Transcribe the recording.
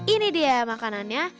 ini dia makanannya